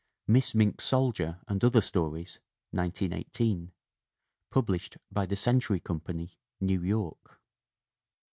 Miss Mink's Soldier and Other Stories, 1918. Published by the Century Company, New York.